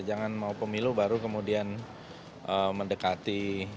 jangan mau pemilu baru kemudian mendekati